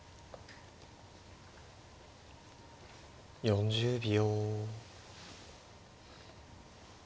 ４０秒。